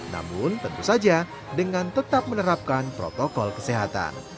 namun tentu saja dengan tetap menerapkan protokol kesehatan